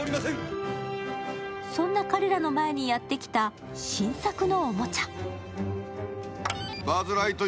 そんな彼らの前にやってきた新作のおもちゃ。